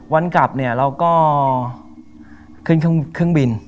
วันกลับเนี่ยเราก็ขึ้นเครื่องบิน